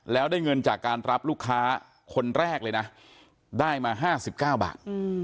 แล้วได้เงินจากการรับลูกค้าคนแรกเลยนะได้มา๕๙บาท